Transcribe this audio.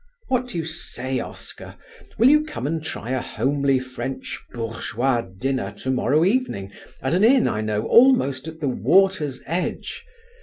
"What do you say, Oscar, will you come and try a homely French bourgeois dinner to morrow evening at an inn I know almost at the water's edge?